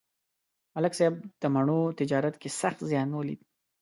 ملک صاحب د مڼو تجارت کې سخت زیان ولید